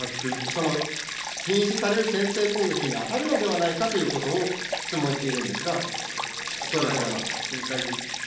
その禁止される先制攻撃に当たるのではないかということを質問しているんですが、どうされますか。